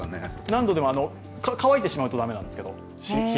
何度でも、乾いてしまうと駄目なんですけど。